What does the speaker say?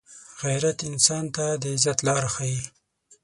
غیرت انسان ته د عزت لاره ښيي